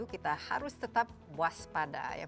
kita harus tetap waspada ya